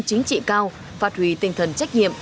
chính trị cao phát huy tinh thần trách nhiệm